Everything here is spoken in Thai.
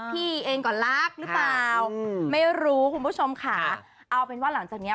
พี่เองก็รักหรือเปล่าไม่รู้คุณผู้ชมค่ะเอาเป็นว่าหลังจากเนี้ย